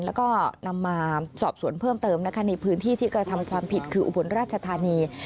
แล้วก็นำมาสอบสวนเพิ่มเติมนะคะในพื้นที่ที่กระทำความผิดคืออุบลราชธานี